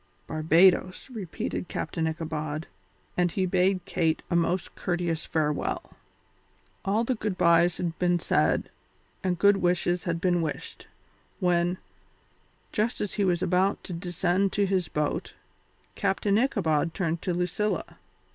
"Barbadoes," repeated Captain Ichabod, and he bade Kate a most courteous farewell. All the good byes had been said and good wishes had been wished, when, just as he was about to descend to his boat, Captain Ichabod turned to Lucilla.